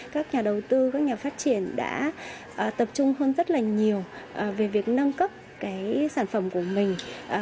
các nhà đầu tư các nhà phát triển đã tập trung hơn rất là nhiều về việc nâng cấp sản phẩm của mình